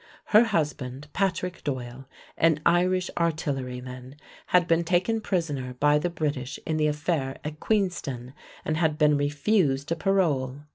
Her husband, Patrick Doyle, an Irish artilleryman, had been taken prisoner by the British in the affair at Queenston and had been refused a parole.